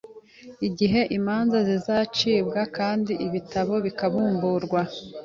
igihe imanza zizacibwa, kandi n’ibitabo bikabumburwa.